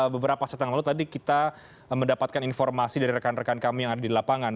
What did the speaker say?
beberapa saat yang lalu tadi kita mendapatkan informasi dari rekan rekan kami yang ada di lapangan